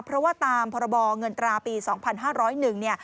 เพราะว่าตามพบเงินตราปี๒๕๐๐นึง